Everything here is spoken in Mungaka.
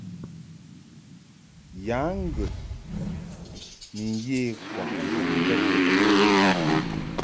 Ya ŋgəd ni ye kwaʼ mbɔŋkɛd.